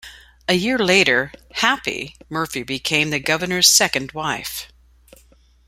A year later, "Happy" Murphy became the governor's second wife.